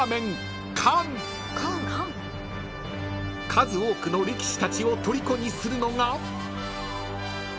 ［数多くの力士たちをとりこにするのが］